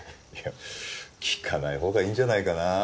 ハハッいや聞かないほうがいいんじゃないかな。